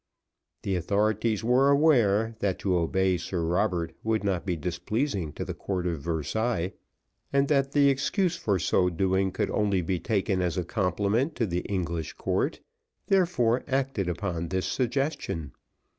The authorities were aware that, to obey Sir Robert would not be displeasing to the court of Versailles, and that the excuse for so doing could only be taken as a compliment to the English court, therefore acted upon this suggestion.